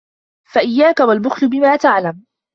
فَإِيَّاكَ وَالْبُخْلَ بِمَا تَعْلَمُ